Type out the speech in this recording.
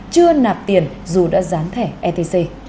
chưa nạp tiền dù đã dán thẻ etc